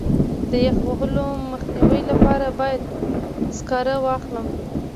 د یخ وهلو مخنیوي لپاره باید سکاره واخلم.